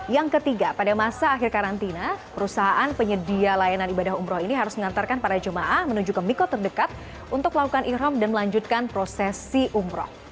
yang ketiga pada masa akhir karantina perusahaan penyedia layanan ibadah umroh ini harus mengantarkan para jemaah menuju ke miko terdekat untuk melakukan ikhram dan melanjutkan prosesi umroh